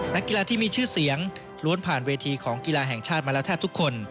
นักกีฬาที่มีชื่อเสียงล้วนผ่านเวทีของกีฬาแห่งชาติมาแล้วแทบทุกคน